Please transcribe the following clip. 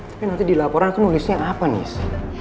tapi nanti di laporan aku nulisnya apa nih